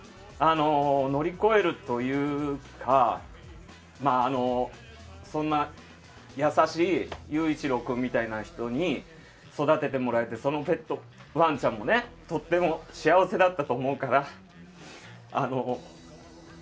乗り越えるというかそんな優しい雄一郎君みたいな人に育ててもらえてそのワンちゃんもとっても幸せだったと思うから。